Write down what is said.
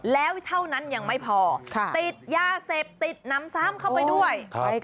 แล้วเท่านั้นยังไม่พอติดยาเสพติดนำซ้ำเข้าไปด้วย